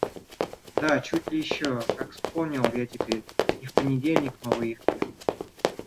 Да чуть ли еще, как вспомнил я теперь, не в понедельник мы выехали.